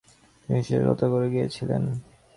তিনি শিক্ষকতা করে গিয়েছিলেন।